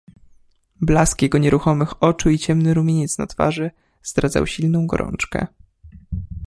"Blask jego nieruchomych oczu i ciemny rumieniec na twarzy zdradzał silną gorączkę."